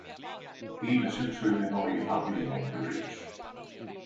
Viimesyksyinen oli ihan viimeinen yritys.